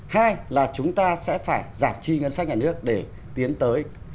hai là chúng ta sẽ phải giảm chi ngân sách nhà nước để tiến tới